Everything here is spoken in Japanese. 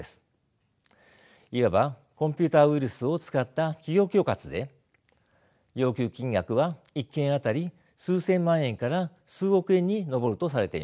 いわばコンピューターウイルスを使った企業恐喝で要求金額は１件当たり数千万円から数億円に上るとされています。